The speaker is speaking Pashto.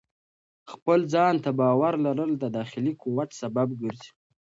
خپل ځان ته باور لرل د داخلي قوت سبب ګرځي.